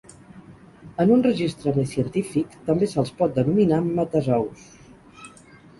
En un registre més científic, també se'ls pot denominar metazous.